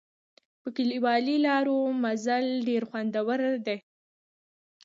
په کلیوالي لارو مزل ډېر خوندور دی.